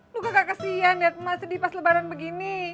lu kakak kesian ya teman sedih pas lebaran begini